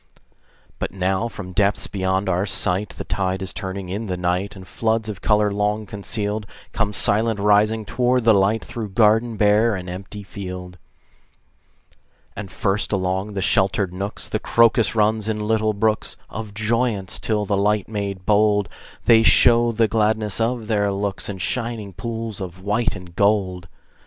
But now from depths beyond our sight, The tide is turning in the night, And floods of color long concealed Come silent rising toward the light, Through garden bare and empty field. And first, along the sheltered nooks, The crocus runs in little brooks Of joyance, till by light made bold They show the gladness of their looks In shining pools of white and gold.